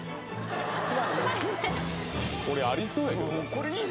「これありそうやけどな」